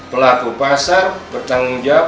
pelaku pasar bertanggung jawab